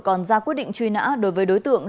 còn ra quyết định truy nã đối với đối tượng